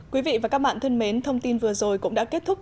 quý vị và các bạn thân mến thông tin vừa rồi cũng đã kết thúc